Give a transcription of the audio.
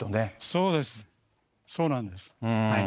そうです、そうなんです。